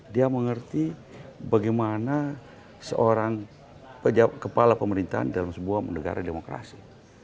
dia mengerti bagaimana seorang kepala pemerintahan dalam sebuah negara demokrasi